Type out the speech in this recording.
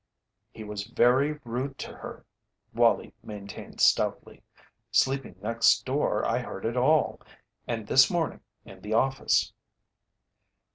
"He was very rude to her," Wallie maintained stoutly. "Sleeping next door, I heard it all and this morning in the office."